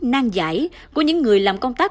nang giải của những người làm công tác